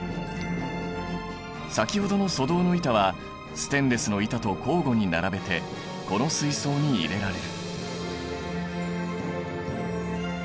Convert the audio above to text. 先ほどの粗銅の板はステンレスの板と交互に並べてこの水槽に入れられる。